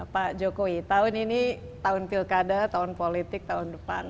pak jokowi tahun ini tahun pilkada tahun politik tahun depan